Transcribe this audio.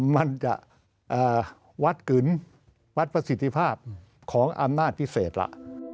มันจะวัดกึนวัดประสิทธิภาพของอำนาจพิเศษล่ะ